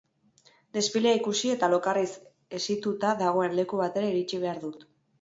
Desfilea ikusi eta lokarriz hesituta dagoen leku batera iritsi behar dut.